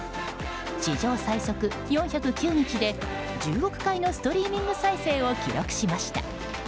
史上最速４０９日で１０億回のストリーミング再生を記録しました。